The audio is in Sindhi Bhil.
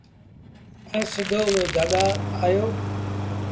ائيٚݩ سڌو اُئي جآڳآ آيو۔